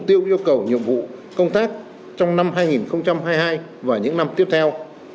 mục tiêu yêu cầu nhiệm vụ công tác trong năm hai nghìn hai mươi hai và những năm tiếp theo